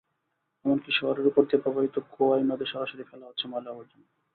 এমনকি শহরের ওপর দিয়ে প্রবাহিত খোয়াই নদে সরাসরি ফেলা হচ্ছে ময়লা-আবর্জনা।